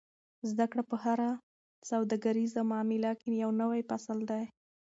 زده کړه په هره سوداګریزه معامله کې یو نوی فصل دی.